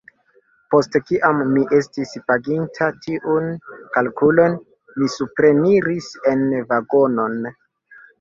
Post kiam mi estis paginta tiun kalkulon, mi supreniris en vagonon.